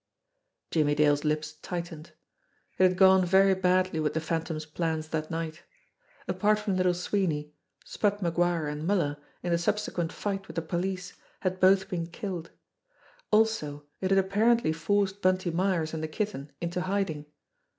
Jimmie Dale's lips tightened. It had gone very badly with the Phantom's plans that night. Apart from Little Sweeney, Spud MacGuire and Muller, in the subsequent fight with the police, had both been killed. Also, it had apparently forced Bunty Myers and the Kitten into hiding.